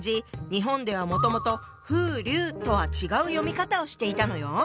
日本ではもともと「ふうりゅう」とは違う読み方をしていたのよ。